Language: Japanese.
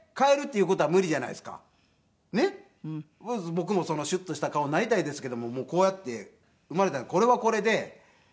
僕もシュッとした顔なりたいですけどもこうやって生まれたんでこれはこれでしゃあないと。